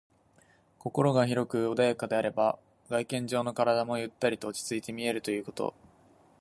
心が広く穏やかであれば、外見上の体もゆったりと落ち着いて見えるということ。